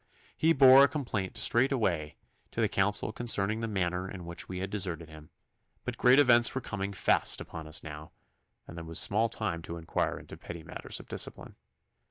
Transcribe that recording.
He bore a complaint straightway to the council concerning the manner in which we had deserted him; but great events were coming fast upon us now, and there was small time to inquire into petty matters of discipline.